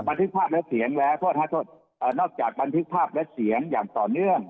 บันทึกทราบเสียงและโทษนอกจากบันทึกทราบเสียงอย่างต่อเนื่อง